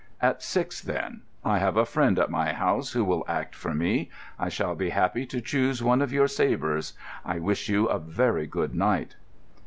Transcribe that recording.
"At six, then. I have a friend at my house who will act for me. I shall be happy to choose one of your sabres. I wish you a very good night."